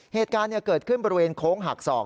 เหตุการณ์เกิดขึ้นบริเวณโค้งหักศอก